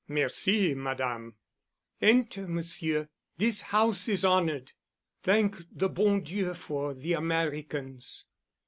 "Merci, Madame." "Enter, Monsieur—this house is honored. Thank the bon Dieu for the Americans."